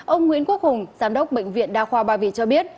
ông nguyễn quốc hùng giám đốc bệnh viện đa khoa ba vị cho biết